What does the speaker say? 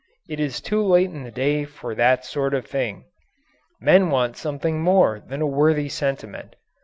It is too late in the day for that sort of thing. Men want something more than a worthy sentiment.